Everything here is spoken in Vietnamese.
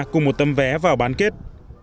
cùng một tấm vé vào bán kết